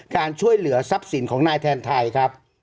การช่วยเหลือทรัพย์สินของนายแทนไทยครับ